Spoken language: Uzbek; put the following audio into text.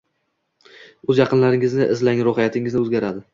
O‘z yaqinlaringizni izlang, ruhiyatingiz o‘zgaradi.